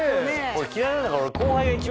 俺嫌いなんだから。